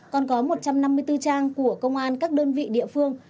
còn có một trăm năm mươi bốn trang của công an các đơn vị địa phương